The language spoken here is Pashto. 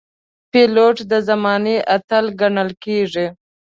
پیلوټ د زمانې اتل ګڼل کېږي.